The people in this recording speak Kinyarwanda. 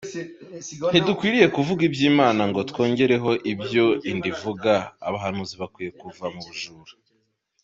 Ntidukwiye kuvuga iby’imana ngo twongereho ibyo inda ivuga Abahanuzi bakwiye kuva mu bujura